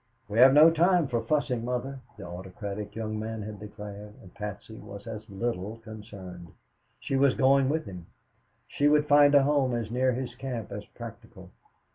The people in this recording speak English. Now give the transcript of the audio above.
"We have no time for fussing, Mother," the autocratic young man had declared, and Patsy was as little concerned. She was going with him. She would find a home as near his camp as practical.